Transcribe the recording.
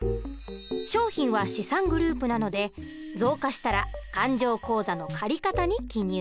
商品は資産グループなので増加したら勘定口座の借方に記入。